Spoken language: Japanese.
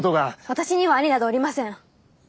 私には兄などおりません。